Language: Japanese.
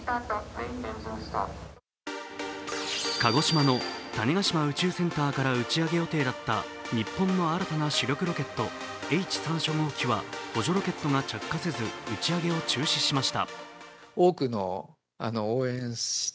鹿児島の種子島宇宙センターから打ち上げ予定だった日本の新たな主力ロケットＨ３初号機は補助ロケットが着火せず打ち上げを中止しました。